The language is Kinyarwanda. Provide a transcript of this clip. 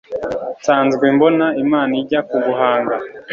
nsanzwe mbona, imana ijya kuguhanga